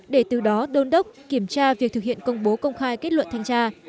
để từ đó đôn đốc kiểm tra việc thực hiện công bố công khai kết luận thanh tra